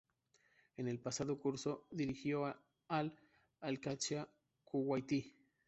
En el pasado curso dirigió al Al-Qadsia kuwaití.